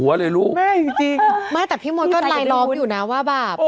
วุ้นอยู่น้ำว่าบาบ